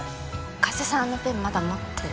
加瀬さんあのペンまだ持ってる？